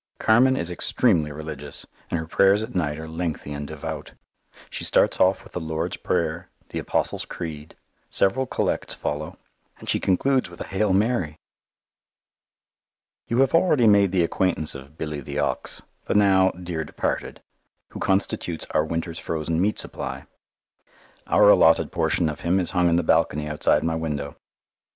Carmen is extremely religious, and her prayers at night are lengthy and devout. She starts off with the Lord's Prayer, the Apostles' Creed; several collects follow, and she concludes with a "Hail Mary!" You have already made the acquaintance of Billy the Ox, the now dear departed, who constitutes our winter's frozen meat supply. Our allotted portion of him is hung in the balcony outside my window.